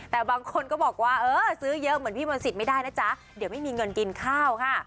แต่บางคนก็บอกว่าเออซื้อเยอะเหมือนพี่มนตรีไม่ได้นะจ๊ะเดี๋ยวไม่มีเงินกินข้าวค่ะ